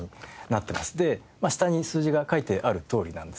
で下に数字が書いてあるとおりなんですけど。